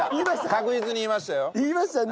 確実に言いましたよ。